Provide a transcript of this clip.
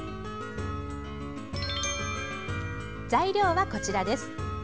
材料は、こちらです。